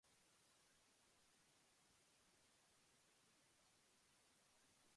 The film is also known for its stylish direction and intense action sequences.